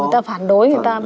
người ta phản đối người ta